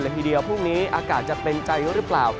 ทีเดียวพรุ่งนี้อากาศจะเป็นใจหรือเปล่า